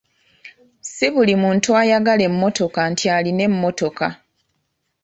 Ssi buli muntu ayagala emmotoka nti alina emmotoka.